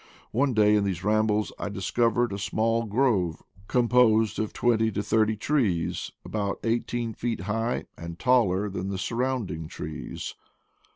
One day, in these rambles, I discovered a small grove com posed of twenty to thirty trees, abonjt eighteen feet high, and taller than the surrounding trees.